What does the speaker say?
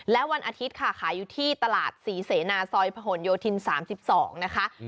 และวันอาทิตย์ขายอยู่ที่ตลาดสีเศราก์สอยพะโหลโยทิ์นสองนะครับ